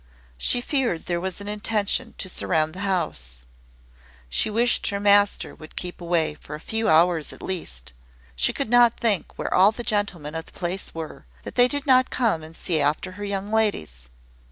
She feared there was an intention to surround the house: she wished her master would keep away, for a few hours at least; she could not think where all the gentlemen of the place were, that they did not come and see after her young ladies.